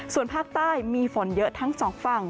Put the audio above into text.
ส่วนภาคใต้มีฝนเยอะทั้งสองฝั่ง